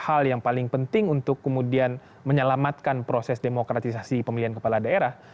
hal yang paling penting untuk kemudian menyelamatkan proses demokratisasi pemilihan kepala daerah